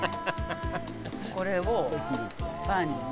これをパンに。